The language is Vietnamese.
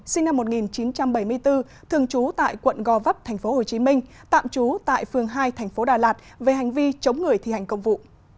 sinh năm một nghìn chín trăm bảy mươi bốn thường trú tại quận gò vấp tp hcm tạm trú tại phường hai tp đà lạt về hành vi chống người thi hành công vụ